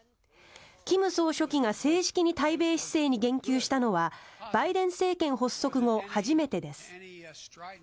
金総書記が正式に対米姿勢に言及したのはバイデン政権発足後初めてです。